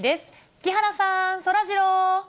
木原さん、そらジロー。